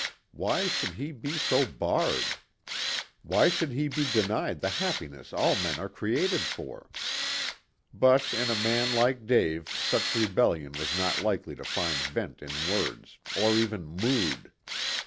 Why should he be so barred? Why should he be denied the happiness all men are created for? But in a man like Dave such rebellion was not likely to find vent in words, or even mood.